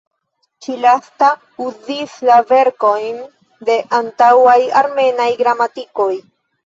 Ĉi-lasta uzis la verkojn de antaŭaj armenaj gramatikoj.